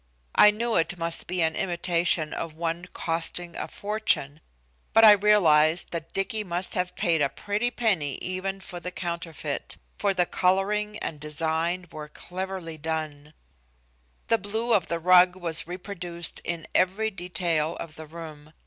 I knew it must be an imitation of one costing a fortune, but I realized that Dicky must have paid a pretty penny even for the counterfeit, for the coloring and design were cleverly done. The blue of the rug was reproduced in every detail of the room.